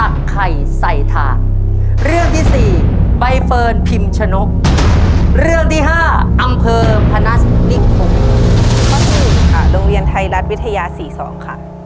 ค่ะโรงเรียนไทรรัฐวิทยา๔๒ค่ะ